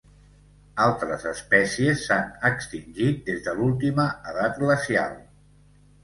Altres espècies s'han extingit des de l'última edat glacial.